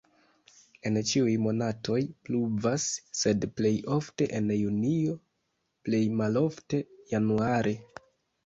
En ĉiuj monatoj pluvas, sed plej ofte en junio, plej malofte januare.